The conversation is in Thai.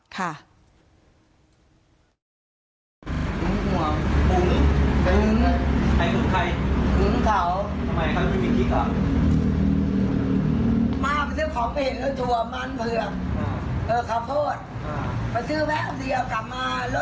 มาเพื่อขอบผมได้เอาตัวขอขอบโทษมาซื้อแพร่เปื่อยกลับมานะ